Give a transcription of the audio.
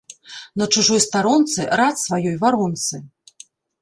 На чужой старонцы рад сваёй варонцы